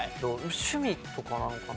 趣味とかなのかな。